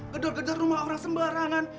gedor gedor rumah orang sembarangan